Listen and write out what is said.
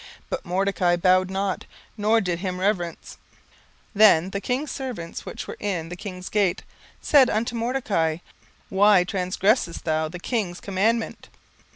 But Mordecai bowed not, nor did him reverence. 17:003:003 Then the king's servants, which were in the king's gate, said unto Mordecai, Why transgressest thou the king's commandment?